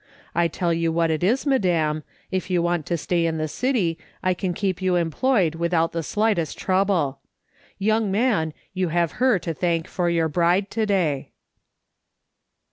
I tell you what it is, madam, if you want to stay in the city, I can keep you employed without the slightest trouble. Young man, you have her to thank for your bride to day."